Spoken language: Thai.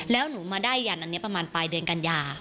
แล้วหนูมาได้ยันอันนี้ประมาณปลายเดือนกันยา